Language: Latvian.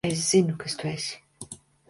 Es zinu, kas tu esi.